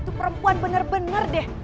itu perempuan bener bener deh